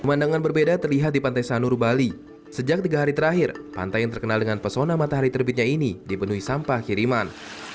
pemandangan berbeda terlihat di pantai sanur bali sejak tiga hari terakhir pantai yang terkenal dengan pesona matahari terbitnya ini dipenuhi sampah kiriman